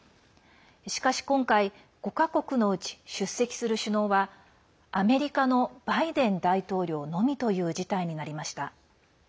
しかし、今回、５か国のうち出席する首脳はアメリカのバイデン大統領のみという事態になりました。